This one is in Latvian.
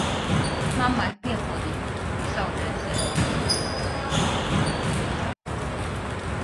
Mammai piekodinuu saudzēt sevi.